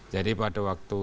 jadi pada waktu